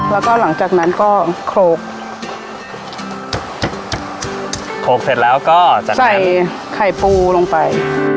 แล้วก็หลังจากนั้นก็โขลกโขลกเสร็จแล้วก็จะใส่ไข่ปูลงไป